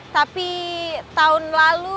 tapi tahun lalu